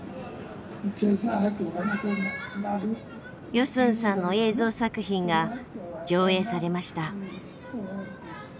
ヨスンさんの映像作品が上映されました。